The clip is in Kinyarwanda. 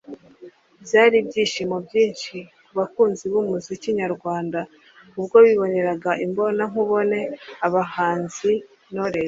byari ibyishimo byinshi ku bakunzi b’umuziki nyarwanda ubwo biboneraga imbonankubone abahanzi Knowless